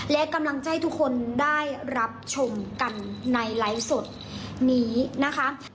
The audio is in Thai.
และกำลังใจให้ทุกคนได้รับชมกันในไลฟ์สดนี้นะคะ